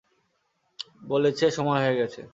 বলেছে, সময় হয়ে গেছে।